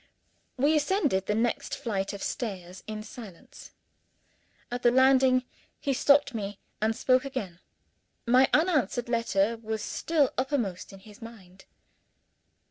We ascended the next flight of stairs in silence. At the landing, he stopped me, and spoke again. My unanswered letter was still uppermost in his mind.